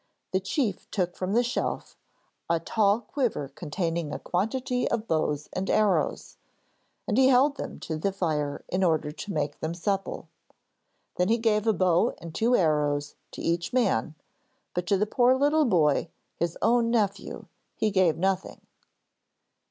The chief took from a shelf a tall quiver containing a quantity of bows and arrows, and he held them to the fire in order to make them supple. Then he gave a bow and two arrows to each man, but to the poor little boy, his own nephew, he gave nothing.